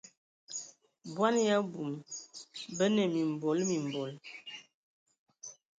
Bɔn ya abum, bə nə mimbɔl mimbɔl.